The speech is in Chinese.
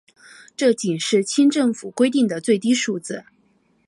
这仅是清政府规定的最低数字。